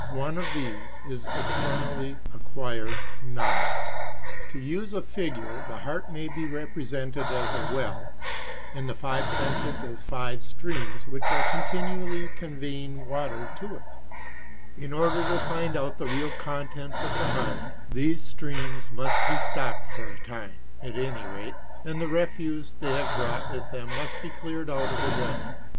One of these is externally acquired knowledge. To use a figure, the heart may be represented as a well, and the five senses as five streams which are continually conveying water to it. In order to find out the real contents of the heart these streams must be stopped for a time, at any rate, and the refuse they have brought with them must be cleared out of the well.